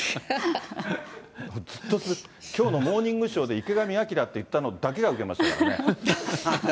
きょうのモーニングショーで、池上彰って言ったのだけが受けましたからね。